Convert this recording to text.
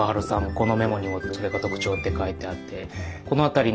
このメモにもそれが特徴って書いてあって。